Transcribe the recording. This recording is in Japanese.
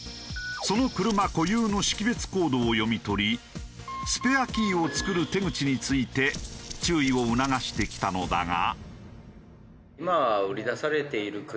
その車固有の識別コードを読み取りスペアキーを作る手口について注意を促してきたのだが。